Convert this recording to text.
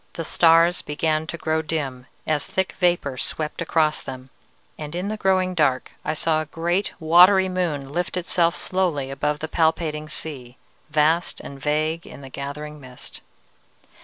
The stars began to grow dim as thick vapor swept across them, and in the growing dark I saw a great, watery moon lift itself slowly above the palpitating sea, vast and vague in the gathering mist.